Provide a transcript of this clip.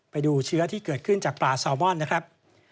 ไปดูเชื้อที่เกิดขึ้นจากปลาซาวมอนนะครับ